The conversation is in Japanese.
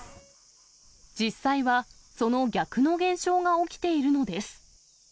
実際は、その逆の現象が起きているのです。